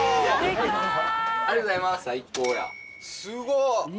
すごっ。